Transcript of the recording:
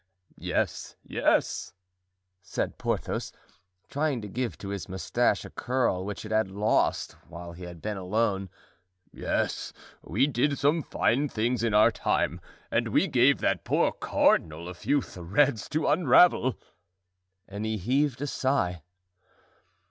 "Yes, yes," said Porthos, trying to give to his mustache a curl which it had lost whilst he had been alone. "Yes, we did some fine things in our time and we gave that poor cardinal a few threads to unravel." And he heaved a sigh.